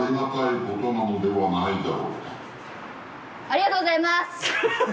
ありがとうございます！